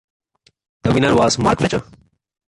The winner was Mark Fletcher.